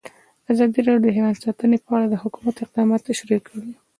ازادي راډیو د حیوان ساتنه په اړه د حکومت اقدامات تشریح کړي.